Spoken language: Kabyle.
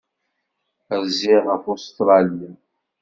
Rziɣ ɣef Ustṛalya.